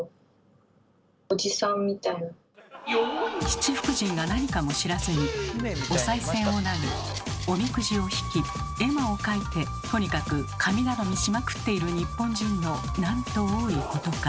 七福神が何かも知らずにお賽銭を投げおみくじを引き絵馬を書いてとにかく神頼みしまくっている日本人のなんと多いことか。